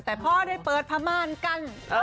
แต่พอได้เปิดพระมารกัน